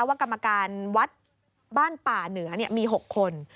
ว่ากรรมการวัดบ้านป่าเหนือเนี่ยมี๖คน